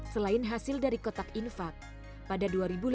selain hasil dari kotak infak pada dua ribu lima belas